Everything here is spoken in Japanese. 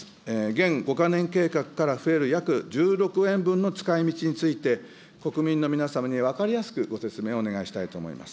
現５か年計画から増える約１６円分の使いみちについて、国民の皆さんに分かりやすくご説明をお願いしたいと思います。